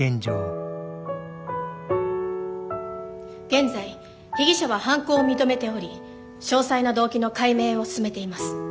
現在被疑者は犯行を認めており詳細な動機の解明を進めています。